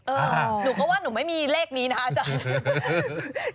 เออหนูก็ว่าหนูไม่มีเลขนี้นะคะ